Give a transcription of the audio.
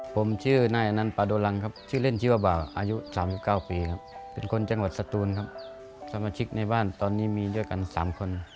ผมชื่อนายอันนั้นปาโดรังครับชื่อเล่นชื่อว่าบ่าวอายุ๓๙ปีครับเป็นคนจังหวัดสตูนครับสมาชิกในบ้านตอนนี้มีด้วยกัน๓คน